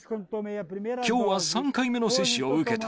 きょうは３回目の接種を受けた。